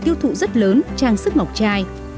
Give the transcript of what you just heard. tiêu thụ rất lớn trang sức ngọc chai